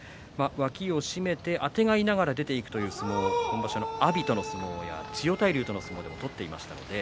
脇を締めてあてがいながら出ていく相撲、今場所阿炎との相撲や千代大龍との相撲で取っていました。